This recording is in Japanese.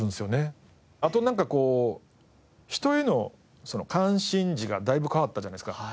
あとなんか人への関心事がだいぶ変わったじゃないですか。